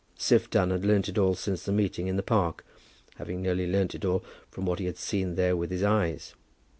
Siph Dunn had learned it all since the meeting in the Park, having nearly learned it all from what he had seen there with his eyes.